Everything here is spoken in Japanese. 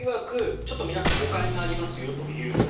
ちょっと皆さん誤解がありますよと。